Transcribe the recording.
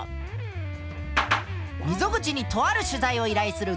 溝口にとある取材を依頼する